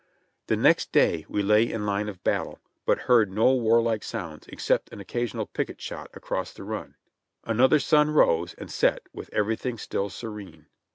The next day we lay in line of battle, but heard no war like sounds except an occasional picket shot across the run. Another sun rose and set with everything still serene.